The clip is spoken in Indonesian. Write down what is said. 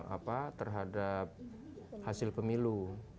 apa terhadap hasil pemilu